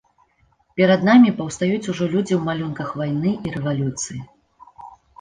Перад намі паўстаюць ужо людзі ў малюнках вайны і рэвалюцыі.